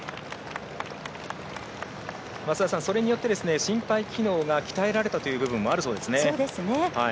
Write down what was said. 増田さん、それによって心肺機能が鍛えられたというところがあるそうですね。